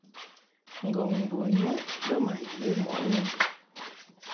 Ngɔŋ bun mɛʼ bə ma ye mɔʼ yum.